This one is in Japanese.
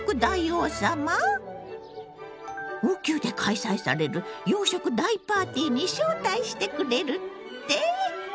王宮で開催される洋食大パーティーに招待してくれるって？